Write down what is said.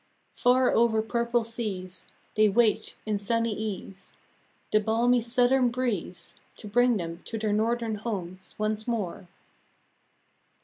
Far over purple seas, They wait in sunny ease, The balmy southern breeze, To bring them to their northern homes once more.